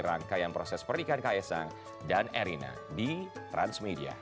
rangkaian proses pernikahan kaisang dan erina di transmedia